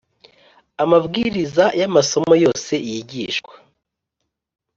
Amabwiriza y amasomo yose yigishwa